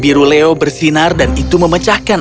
biru leo bersinar dan itu memecahkan